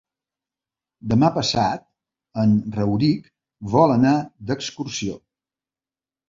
Demà passat en Rauric vol anar d'excursió.